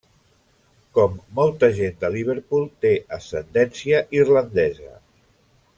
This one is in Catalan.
Com molta gent de Liverpool té ascendència irlandesa.